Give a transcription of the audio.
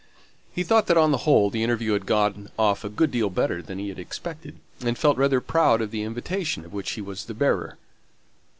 He thought that, on the whole, the interview had gone off a good deal better than he had expected, and felt rather proud of the invitation of which he was the bearer.